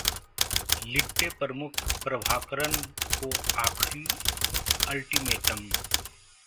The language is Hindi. लिट्टे प्रमुख प्रभाकरण को आखिरी अल्टीमेटम